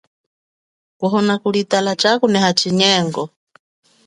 Kuhona kuli tala chakuneha chinyengo.